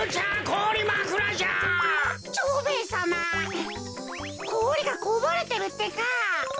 こおりがこぼれてるってか。